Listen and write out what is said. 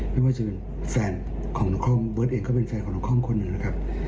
ไม่ว่าจะเป็นแฟนของนครเบิร์ตเองก็เป็นแฟนของนครคนหนึ่งนะครับ